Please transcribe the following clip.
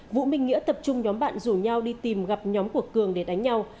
vũ minh nghĩa tập trung nhóm bạn rủ nhau đi tìm gặp nhóm của cường để đánh nhau